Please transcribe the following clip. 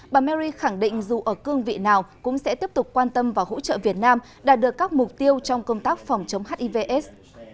bà mary khẳng định dù ở cương vị nào cũng sẽ tiếp tục quan tâm và hỗ trợ việt nam đạt được các mục tiêu trong công tác phòng chống hiv aids